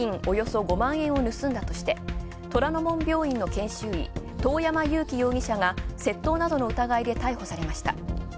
およそ５万円を盗んだとして、虎の門病院の研修医、遠山友希容疑者が窃盗などの疑いで逮捕されました。